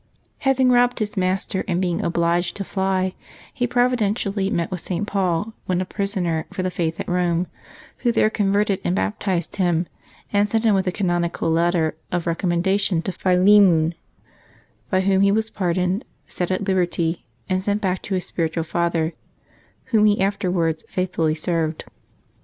Having robbed his master and being obliged to fly, he providentially met with St. Paul, then a prisoner for the faith at Eome, who there converted and baptized him, and sent him with his canonical letter of recommen dation to Philemon, by whom he was pardoned, set at liberty, and sent back to his spiritual father, whom he afterwards faithfully served.